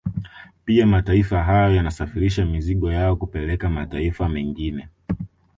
Pia mataifa hayo yanasafirisha mizigo yao kupeleka mataifa mengine